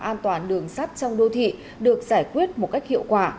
an toàn đường sắt trong đô thị được giải quyết một cách hiệu quả